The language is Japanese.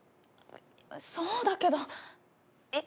そうだけどいや